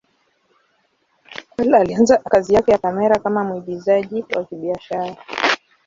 Hall alianza kazi yake ya kamera kama mwigizaji wa kibiashara.